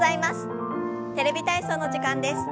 「テレビ体操」の時間です。